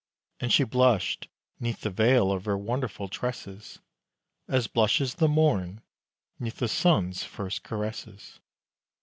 And she blushed, 'neath the veil of her wonderful tresses, As blushes the Morn 'neath the Sun's first caresses!